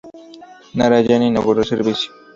Narayan inauguró el servicio.